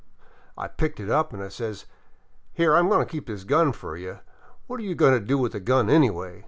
I picked it up an' says, * Here, I 'm goin' to keep this gun f er you. What are you goin' to do with a gun anyway